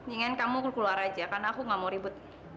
ingin kamu keluar saja karena aku nggak mau ribut